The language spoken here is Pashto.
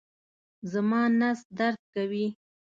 زما نس درد کوي